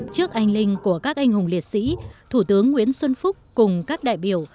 trước anh linh của các anh hùng liệt sĩ thủ tướng nguyễn xuân phúc cùng các đại biểu